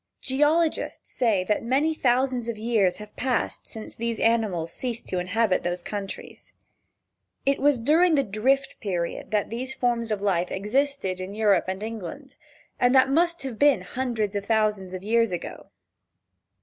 Geologists say that many thousands of years have passed since these animals ceased to inhabit those countries. It was during the Drift Period that these forms of life existed in Europe and England, and that must have been hundreds of thousands of years ago.